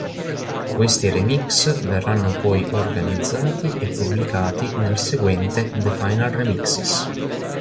Questi remix verranno poi organizzati e pubblicati nel seguente "The Final Remixes".